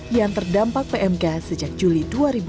yang terdampak pmk sejak juli dua ribu dua puluh